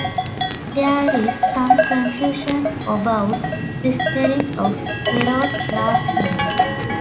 There is some confusion about the spelling of Perot's last name.